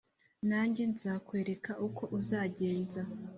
nanjye nzakwereka uko uzagenza